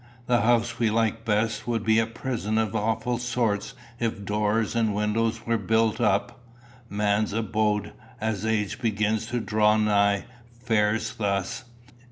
The house we like best would be a prison of awful sort if doors and windows were built up. Man's abode, as age begins to draw nigh, fares thus.